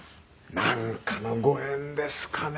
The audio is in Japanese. なんかのご縁ですかね。